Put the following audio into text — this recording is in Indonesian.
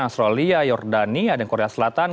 australia jordania dan korea selatan